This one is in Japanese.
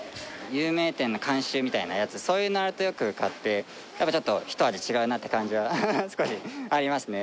有名店の監修みたいなやつそういうのあるとよく買ってやっぱちょっとひと味違うなって感じは少しありますね。